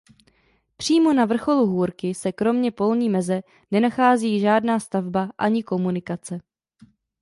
Přímo na vrcholu Hůrky se kromě polní meze nenachází žádná stavba ani komunikace.